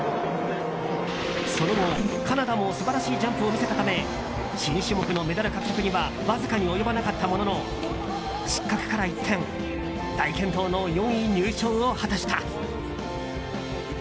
その後、カナダも素晴らしいジャンプを見せたため新種目のメダル獲得にはわずかに及ばなかったものの失格から一転大健闘の４位入賞を果たした。